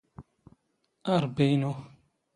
ⴰ ⵕⴱⴱⵉ ⵉⵏⵓ!